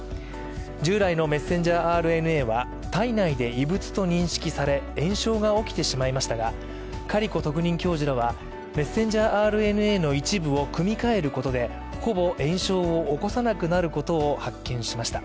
従来のメッセンジャーＲＮＡは体内で異物と認識され炎症が起きてしまいましたが、カリコ特任教授らはメッセンジャーＲＮＡの一部を組み換えることで、ほぼ炎症を起こさなくなることを発見しました。